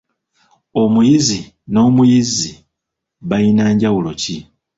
Omuyizi n'omuyizzi bayina njawulo ki?